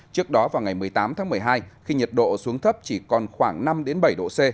trước đó vào ngày một mươi tám tháng một mươi hai khi nhiệt độ xuống thấp chỉ còn khoảng năm bảy độ c